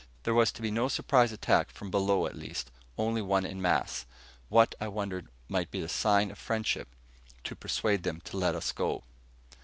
There was to be no surprise attack from below, at least; only one in mass. What, I wondered, might be a sign of friendship, to persuade them to let us go.